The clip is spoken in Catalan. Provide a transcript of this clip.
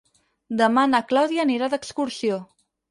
Demà na Clàudia anirà d'excursió.